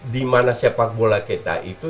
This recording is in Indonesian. dimana sepak bola kita itu